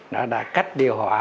nó đã cách điều hoa